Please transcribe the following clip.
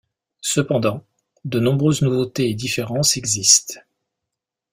Cependant, de nombreuses nouveautés et différences existent.